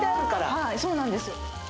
はいそうなんです